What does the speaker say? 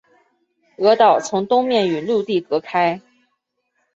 鹅岛从东面与陆地隔开。